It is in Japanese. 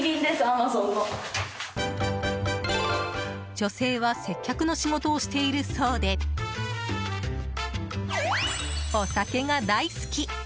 女性は接客の仕事をしているそうでお酒が大好き。